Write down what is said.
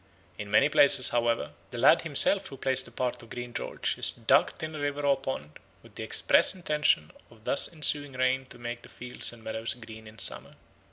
In many places, however, the lad himself who plays the part of Green George is ducked in a river or pond, with the express intention of thus ensuring rain to make the fields and meadows green in summer.